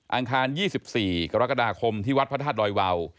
อังคาร๒๔กรกฎาคมที่วัดพระธาตุดอยวาว